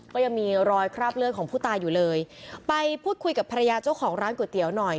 ก็ยังมีรอยคราบเลือดของผู้ตายอยู่เลยไปพูดคุยกับภรรยาเจ้าของร้านก๋วยเตี๋ยวหน่อย